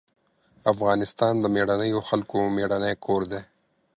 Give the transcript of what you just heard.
افغانستان د مېړنيو خلکو مېړنی کور دی.